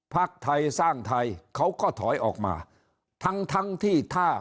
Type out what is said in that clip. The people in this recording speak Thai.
พักไทยสร้างไทยเขาก็ถอยออกมาทั้งทั้งที่ถ้า